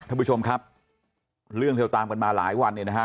ท่านผู้ชมครับเรื่องเธอตามกันมาหลายวันเนี่ยนะฮะ